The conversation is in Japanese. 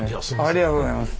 ありがとうございます。